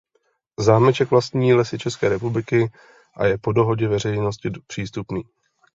Zámeček vlastní Lesy České republiky a je po dohodě veřejnosti přístupný.